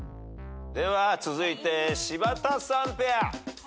では続いて柴田さんペア。